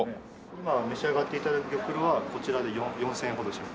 今召し上がって頂く玉露はこちらで４０００円ほどします。